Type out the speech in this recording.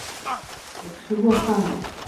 我吃过饭了